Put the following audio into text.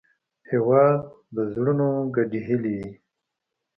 هېواد د زړونو ګډې هیلې دي.